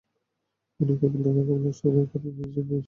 উনি কেবল তাকে ভালোবাসার ভান করেন নিজের বাচ্চার নিরাপত্তার জন্য।